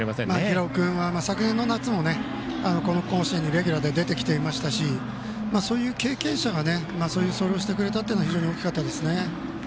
平尾君は昨年の夏もこの甲子園にレギュラーで出てきていましたしそういう経験者がそういう走塁をしてくれたのは大きかったですね。